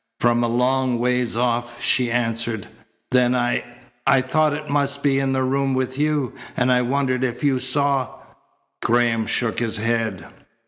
"From a long ways off," she answered. "Then I I thought it must be in the room with you, and I wondered if you saw " Graham shook his head.